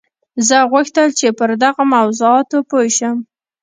زه غوښتل چې پر دغو موضوعاتو پوه شم